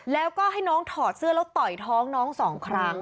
แล้วก็ให้น้องถอดเสื้อแล้วต่อยท้องน้องสองครั้ง